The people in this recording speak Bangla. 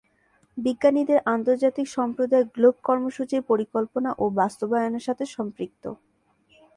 বিজ্ঞানীদের আন্তর্জাতিক সম্প্রদায় গ্লোব কর্মসূচির পরিকল্পনা ও বাস্তবায়নের সাথে সম্পৃক্ত।